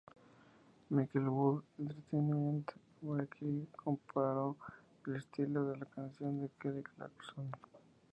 Mikael Wood de "Entertainment Weekly" comparó el estilo de la canción con Kelly Clarkson.